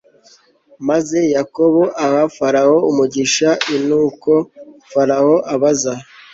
maze Yakobo aha Farawo umugisha i Nuko Farawo abaza